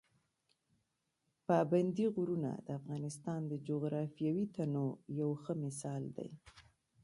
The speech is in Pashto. پابندي غرونه د افغانستان د جغرافیوي تنوع یو ښه مثال دی.